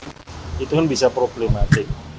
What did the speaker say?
itu kan bisa problematik